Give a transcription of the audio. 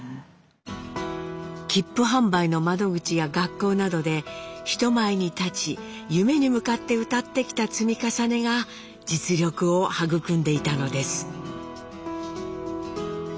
切符販売の窓口や学校などで人前に立ち夢に向かって歌ってきた積み重ねが実力を育んでいたのです。